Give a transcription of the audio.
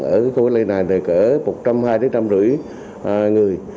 ở cái khu cách ly này thì kể cả một trăm hai mươi đến một trăm năm mươi người